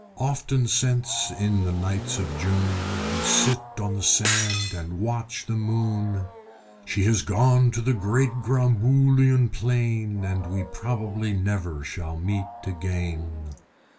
Often since, in the nights of June, We sit on the sand and watch the moon, She has gone to the great Gromboolian Plain, And we probably never shall meet again!